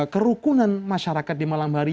kerukunan masyarakat di malam hari